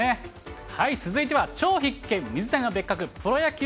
続いては超必見、水谷のベッカク、プロ野球